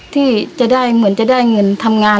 ที่จะได้เหมือนจะได้เงินทำงาน